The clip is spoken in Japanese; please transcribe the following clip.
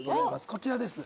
こちらです。